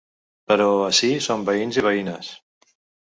Però ací som veïns i veïnes.